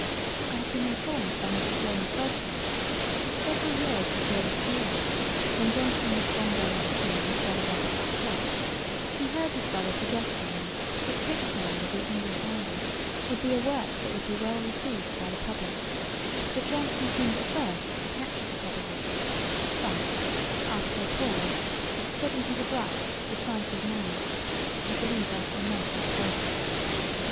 I have been informed by Mr. James Dodsley, that several years before this period, when Johnson was one day sitting in his brother Robert's shop, he heard his brother suggest to him, that a Dictionary of the English Language would be a work that would be well received by the publick; that Johnson seemed at first to catch at the proposition, but, after a pause, said, in his abrupt decisive manner, 'I believe I shall not undertake it.'